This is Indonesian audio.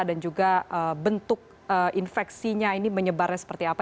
juga bentuk infeksinya ini menyebarnya seperti apa